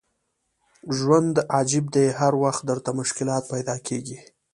ژوند عجیب دی هر وخت درته مشکلات پیدا کېږي.